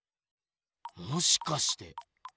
もしかして。